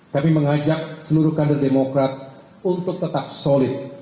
kami mengajak seluruh kader demokrat untuk tetap solid